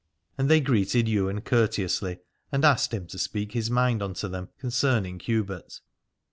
And they greeted Ywain courteously and asked him to speak his mind unto them concerning Hubert.